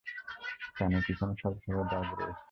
কানের পেছনে সাদা দাগ রয়েছে।